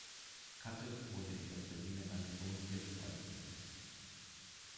Katte wurde in der Berliner Garnisonkirche beigesetzt.